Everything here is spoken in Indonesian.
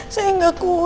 saya tidak kuat